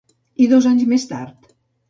I dos anys més tard?